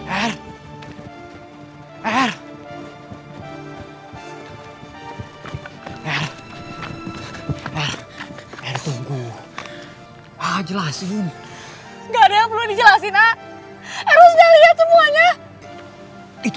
er er er er tunggu ah jelasin nggak ada yang perlu dijelasin ah harus lihat semuanya itu